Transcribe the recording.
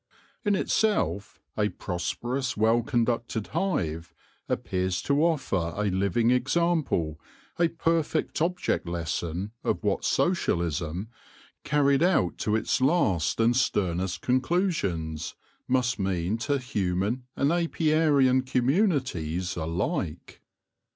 In itself a prosperous, well conducted hive appears to offer a living example, a perfect object lesson of what Socialism, carried out to its last and sternest conclu sions, must mean to human and apiarian communities alike.